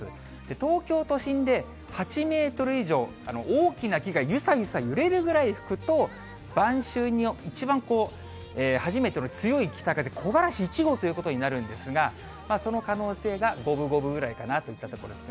東京都心で８メートル以上、大きな木がゆさゆさ揺れるぐらい吹くと、晩秋に一番初めての強い北風、木枯らし１号ということになるんですが、その可能性が五分五分ぐらいかなといったところですね。